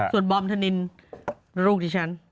ส่วนบอมธนินลูกดิฉัน